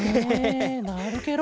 なるケロ。